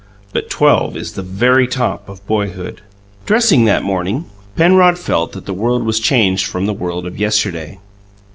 But twelve is the very top of boyhood. Dressing, that morning, Penrod felt that the world was changed from the world of yesterday.